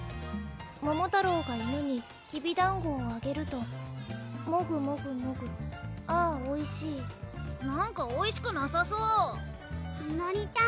「ももたろうが犬にきびだんごをあげるともぐもぐもぐあぁおいしい」なんかおいしくなさそうみのりちゃん